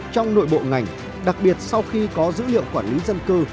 trong nội bộ ngành đặc biệt sau khi có dữ liệu quản lý dân cư